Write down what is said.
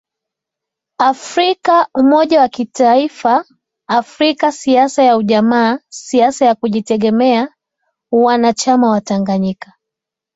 Afrika umoja wa kitaifa Afrika Siasa ya ujamaa Siasa ya kujitegemea Uanachama wa Tanganyika